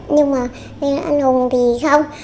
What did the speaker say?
nhưng mà anh hùng thì không